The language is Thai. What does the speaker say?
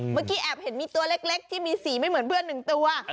เมื่อกี้แอบเห็นมีตัวเล็กที่มีสีไม่เหมือนเพื่อน๑ตัว